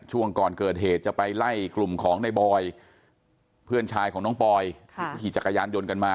ช่วงก่อนเกิดเหตุจะไปไล่กลุ่มของในบอยเพื่อนชายของน้องปอยที่ขี่จักรยานยนต์กันมา